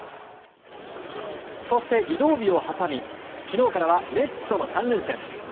そして、移動日を挟み昨日からはメッツとの３連戦。